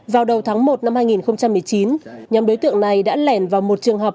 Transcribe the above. vào đầu tháng một năm hai nghìn một mươi chín nhóm đối tượng này đã lẻn vào một trường học